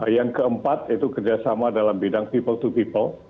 yang keempat itu kerjasama dalam bidang people to people